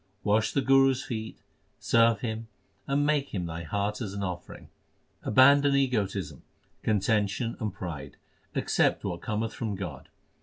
Wash the Guru s feet, serve him, and make him thy heart as an offering. Abandon egotism, contention, and pride : accept what cometh from God.